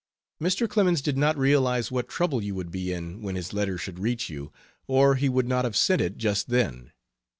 Mr. Clemens did not realize what trouble you would be in when his letter should reach you or he would not have sent it just then.